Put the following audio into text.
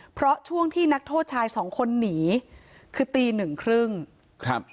เพราะช่วงที่นักโทษชายสองคนหนีคือตีหนึ่งครึ่งครับ